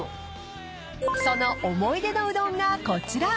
［その思い出のうどんがこちら］